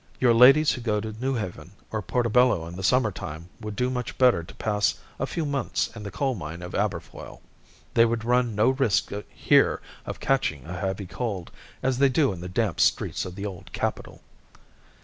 Your ladies who go to Newhaven or Portobello in the summer time would do much better to pass a few months in the coal mine of Aberfoyle! They would run no risk here of catching a heavy cold, as they do in the damp streets of the old capital."